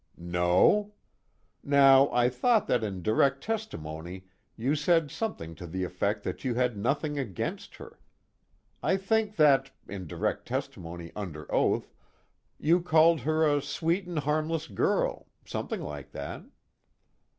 "No? Now I thought that in direct testimony you said something to the effect that you had nothing against her. I think that in direct testimony under oath you called her a 'sweet and harmless girl' something like that."